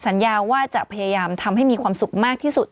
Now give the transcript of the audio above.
สัญญาว่าจะพยายามทำให้มีความสุขมากที่สุด